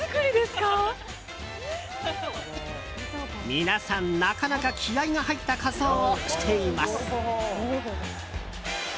皆さん、なかなか気合が入った仮装をしています。